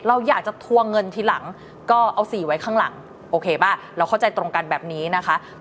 เราอยากจะทวงเงินทีหลังก็เอาสีไว้ข้างหลังโอเคป่ะเราเข้าใจตรงกันแบบนี้นะคะ